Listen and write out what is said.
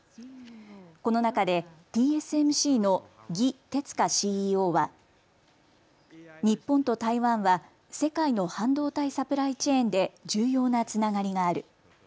この中でＴＳＭＣの魏哲家ＣＥＯは日本と台湾は世界の半導体サプライチェーンで重要なつながりがある。